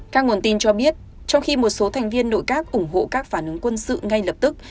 các nguồn tin cho biết trong khi một số thành viên nội các ủng hộ các phản ứng quân sự ngay lập tức